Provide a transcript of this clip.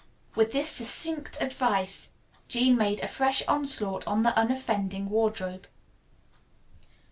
With this succinct advice Jean made a fresh onslaught on the unoffending wardrobe.